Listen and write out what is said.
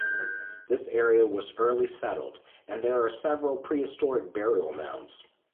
This area was early settled, and there are several prehistoric burial mounds.